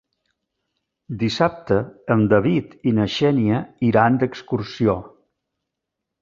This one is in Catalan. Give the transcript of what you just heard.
Dissabte en David i na Xènia iran d'excursió.